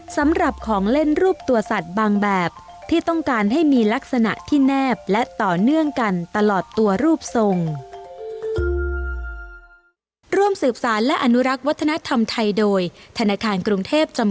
สำหรับของเล่นรูปตัวสัตว์บางแบบที่ต้องการให้มีลักษณะที่แนบและต่อเนื่องกันตลอดตัวรูปทรง